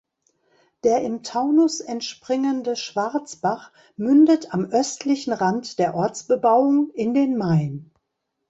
Der im Taunus entspringende Schwarzbach mündet am östlichen Rand der Ortsbebauung in den Main.